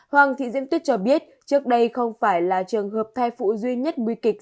hoàng thị diêm tuyết cho biết trước đây không phải là trường hợp thai phụ duy nhất nguy kịch